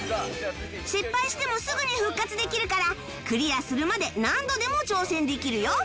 失敗してもすぐに復活できるからクリアするまで何度でも挑戦できるよ